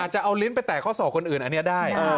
จะเอาลิ้นไปแตกข้อศอกคนอื่นอันนี้ได้